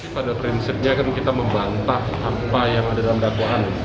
pada prinsipnya kan kita membantah apa yang ada dalam dakwaan